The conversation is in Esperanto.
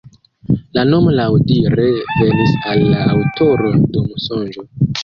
La nomo laŭdire venis al la aŭtoro dum sonĝo.